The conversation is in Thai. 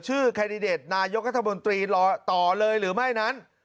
ชื่อคาร์ดิเดรตนายกัฎธรรมนตรีต่อเลยหรือไม่นั้น